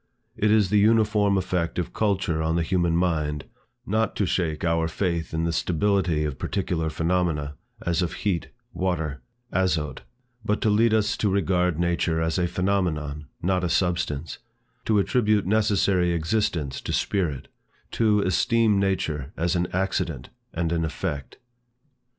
It is the uniform effect of culture on the human mind, not to shake our faith in the stability of particular phenomena, as of heat, water, azote; but to lead us to regard nature as a phenomenon, not a substance; to attribute necessary existence to spirit; to esteem nature as an accident and an effect.